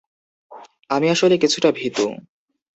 আমি আসলে কিছুটা ভীতু।